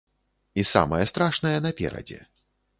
І самае страшнае наперадзе.